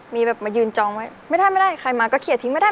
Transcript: มีแบบมายืนจองไว้ไม่ได้ใครมาก็เขียนทิ้ง